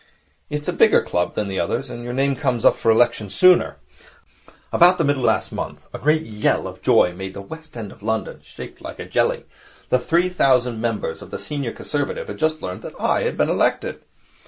It is a bigger club than the others, and your name comes up for election sooner. About the middle of last month a great yell of joy made the West End of London shake like a jelly. The three thousand members of the Senior Conservative had just learned that I had been elected.'